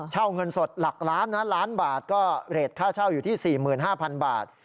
เงินสดหลักล้านนะล้านบาทก็เรทค่าเช่าอยู่ที่๔๕๐๐๐บาท